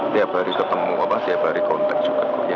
tiap hari ketemu tiap hari kontak juga kok ya